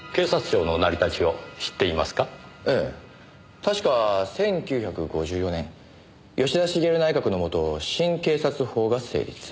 確か１９５４年吉田茂内閣のもと新警察法が成立。